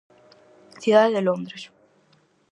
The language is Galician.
Cidade de Londres.